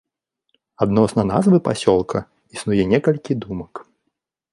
Адносна назвы пасёлка існуе некалькі думак.